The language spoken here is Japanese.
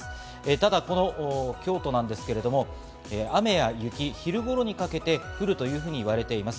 ただ、この京都なんですけど、雨や雪、昼頃にかけて降るというふうに言われています。